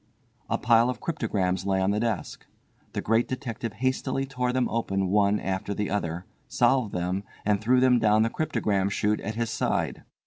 A pile of cryptograms lay on the desk. The Great Detective hastily tore them open one after the other, solved them, and threw them down the cryptogram shute at his side.